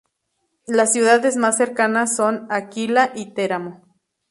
Las ciudades más cercanas son L'Aquila y Teramo.